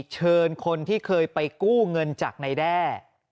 เชิญคนที่เคยไปกู้เงินจากนายแด้